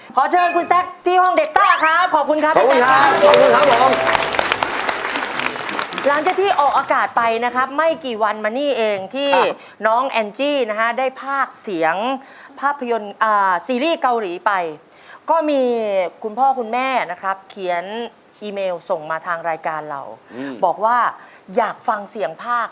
ขอเชิญคุณแซ็กที่ห้องเด็กส้าครับขอบคุณครับพี่แซ็กครับ